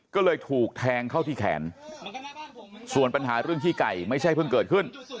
ก็เลยถูกแทงเข้าที่แขนส่วนปัญหาเรื่องขี้ไก่ไม่ใช่เพิ่งเกิดขึ้น